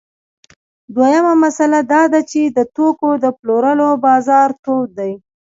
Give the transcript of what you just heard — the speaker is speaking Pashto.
دویمه مسئله دا ده چې د توکو د پلورلو بازار تود دی